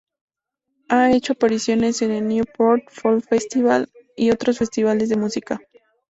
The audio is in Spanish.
Ha hecho apariciones en el Newport Folk Festival y otros festivales de música.